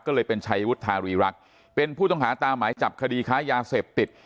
ก็เลยเป็นชัยวุฒารีรักษ์เป็นผู้ต้องหาตามหมายจับคดีค้ายาเสพติด